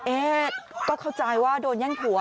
เอ๊ะก็เข้าใจว่าโดนแย่งผัว